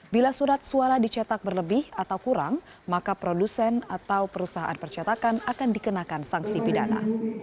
bila surat suara dicetak berlebih atau kurang maka produsen atau perusahaan percetakan akan dikenakan sanksi pidana